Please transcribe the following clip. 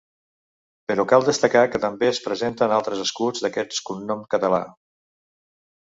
Però cal destacar que també es presenten altres escuts d'aquest cognom català.